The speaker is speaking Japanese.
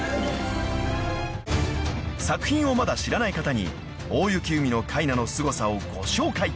［作品をまだ知らない方に『大雪海のカイナ』のすごさをご紹介］